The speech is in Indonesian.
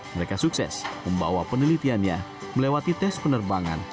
mereka sukses membawa penelitiannya melewati tes penerbangan